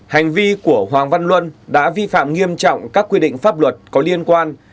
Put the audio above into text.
hành vi của hoàng văn luân đã vi phạm nghiêm trọng các quy định pháp luật có liên quan